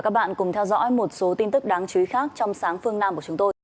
các bạn cùng theo dõi một số tin tức đáng chú ý khác trong sáng phương nam của chúng tôi